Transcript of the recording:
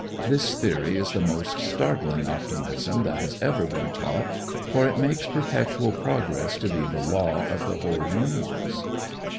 This theory is the most startling optimism that has ever been taught, for it makes perpetual progress to be the law of the whole universe.